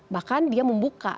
bahkan dia membuka